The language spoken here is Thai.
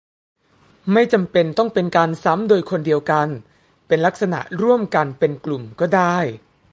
ไม่จำเป็นต้องเป็นการซ้ำโดยคนเดียวกัน-เป็นลักษณะร่วมกันเป็นกลุ่มก็ได้